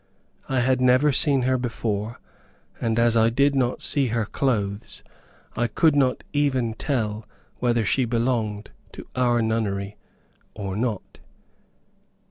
I had never seen her before, and as I did not see her clothes, I could not even tell whether she belonged to our nunnery or not.